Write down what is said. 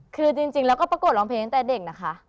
คือจริงแล้วก็ประกวดร้องเพลงตั้งแต่เด็กนะคะ